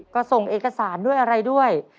ก็ส่งเอกสารด้วยอะไรด้วย